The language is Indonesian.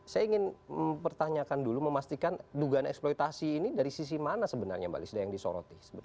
saya ingin mempertanyakan dulu memastikan dugaan eksploitasi ini dari sisi mana sebenarnya mbak lisda yang disoroti